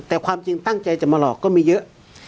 แต่ความจริงตั้งใจจะมาหลอกก็มีเยอะ